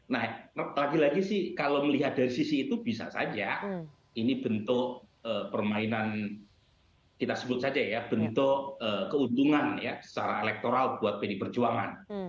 nah lagi lagi sih kalau melihat dari sisi itu bisa saja ini bentuk permainan kita sebut saja ya bentuk keuntungan ya secara elektoral buat pdi perjuangan